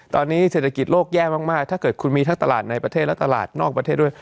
ตอนนี้เศรษฐกิจโลกแย่มากถ้าเกิดคุณมีทั้งตลาดในประเทศและตลาดนอกประเทศด้วย